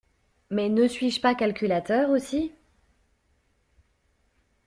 Mais ne suis-je pas calculateur aussi?